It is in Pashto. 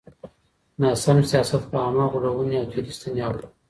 ناسم سياست په عامه غولوني او تېرايستني اوړي.